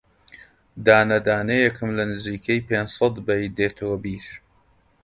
دانە دانەیێکم لە نزیکەی پێنجسەد بەیت دێتەوە بیر